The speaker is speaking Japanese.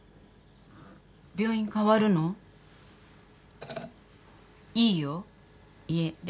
病院変わるの？いいよ。家出てって。